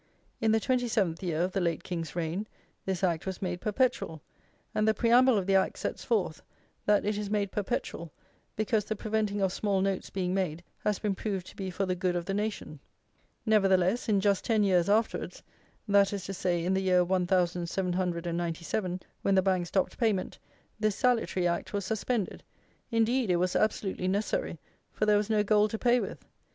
In the twenty seventh year of the late King's reign, this Act was made perpetual; and the preamble of the Act sets forth, that it is made perpetual, because the preventing of small notes being made has been proved to be for the good of the nation. Nevertheless, in just ten years afterwards; that is to say, in the year one thousand seven hundred and ninety seven, when the Bank stopped payment, this salutary Act was suspended; indeed, it was absolutely necessary, for there was no gold to pay with.